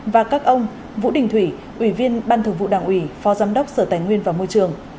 và các ông vũ đình thủy ủy viên ban thường vụ đảng ủy phó giám đốc sở tài nguyên và môi trường